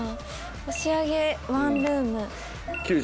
押上ワンルーム。